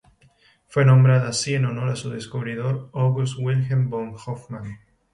Fue nombrada así en honor a su descubridor August Wilhelm von Hofmann.